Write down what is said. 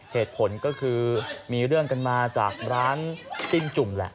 เหตุผลก็คือมีเรื่องกันมาจากร้านจิ้มจุ่มแหละ